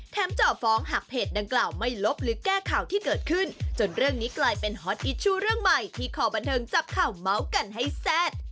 จ่อฟ้องหากเพจดังกล่าวไม่ลบหรือแก้ข่าวที่เกิดขึ้นจนเรื่องนี้กลายเป็นฮอตอิชชูเรื่องใหม่ที่ขอบันเทิงจับข่าวเมาส์กันให้แซ่บ